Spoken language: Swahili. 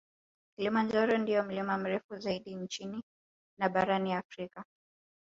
Kilimanjaro ndio mlima mrefu zaidi nchini na barani Afrika